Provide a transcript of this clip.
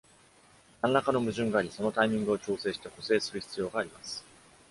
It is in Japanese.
なんらかの矛盾があり、そのタイミングを調整して補正する必要があります。